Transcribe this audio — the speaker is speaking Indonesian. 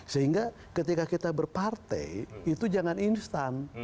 sehingga ketika kita berpartai itu jangan instan